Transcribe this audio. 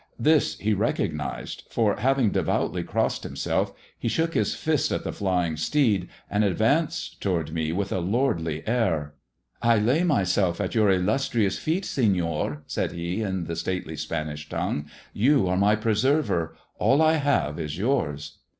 This he recognized, for, having devoutly crossed himself, he shook his fist at : the flying steed, and advanced towards me with a lordly air. I lay myself at your illustrious feet, Senor," said he in the stately Spanish tongue. " You are my preserver. All I have is yours."